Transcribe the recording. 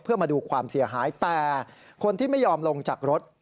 เพื่อมาดูความเสียหายแต่คนที่ไม่ยอมลงจากรถ